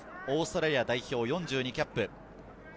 オーストラリア代表４２キャップ。